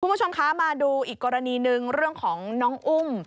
คุณผู้ชมคะมาดูอีกกรณีหนึ่งเรื่องของน้องอุ้ม